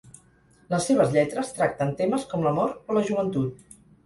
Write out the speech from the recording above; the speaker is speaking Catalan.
Les seves lletres tracten temes com l'amor o la joventut.